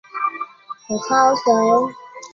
天山柴胡为伞形科柴胡属的植物。